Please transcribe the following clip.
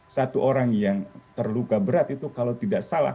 satu orang yang terluka berat itu kalau tidak salah